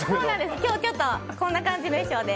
今日、ちょっとこんな感じの衣装です。